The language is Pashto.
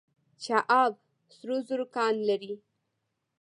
چاه اب سرو زرو کان لري؟